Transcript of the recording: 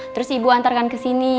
terus ibu antarkan ke sini